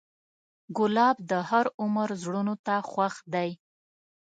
ګلاب د هر عمر زړونو ته خوښ دی.